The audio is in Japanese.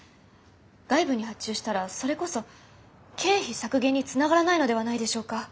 外部に発注したらそれこそ経費削減につながらないのではないでしょうか？